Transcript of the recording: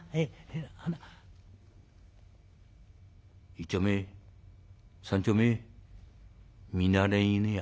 「１丁目３丁目見慣れん犬や。